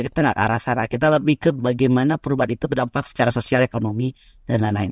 kita nggak ke arah sana kita lebih ke bagaimana perubahan itu berdampak secara sosial ekonomi dan lain lain